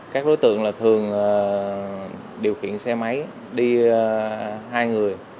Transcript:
các đối tượng thường điều khiển xe máy đi hai người